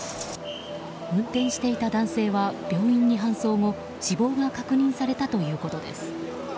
運転していた男性は病院に搬送後死亡が確認されたということです。